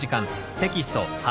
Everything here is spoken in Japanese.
テキスト８